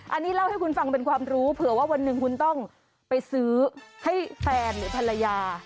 อันนี้เล่าให้คุณฟังเป็นความรู้เผื่อว่าวันหนึ่งคุณต้องไปซื้อให้แฟนหรือภรรยา